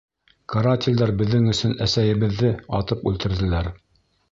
Карателдәр беҙҙең өсөн әсәйебеҙҙе атып үлтерҙеләр.